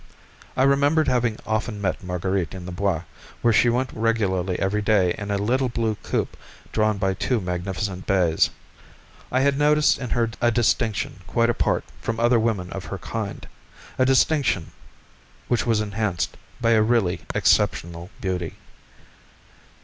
I remembered having often met Marguerite in the Bois, where she went regularly every day in a little blue coupé drawn by two magnificent bays, and I had noticed in her a distinction quite apart from other women of her kind, a distinction which was enhanced by a really exceptional beauty.